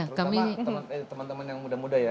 terutama teman teman yang muda muda ya